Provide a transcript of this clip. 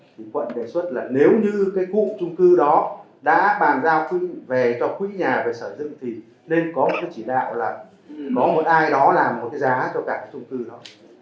chúng quận đề xuất là nếu như cái khu trung cư đó đã bàn giao chung về cho quỹ nhà về sở dựng thì nên có một cái chỉ đạo là có một ai đó làm một cái giá cho cả cái trung cư đó